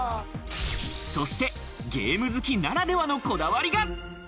そしてゲーム好きならではのこだわりが。